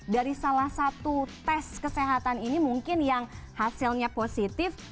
dari salah satu tes kesehatan ini mungkin yang hasilnya positif